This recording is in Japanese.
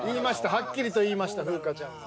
はっきりと言いました風花ちゃんが。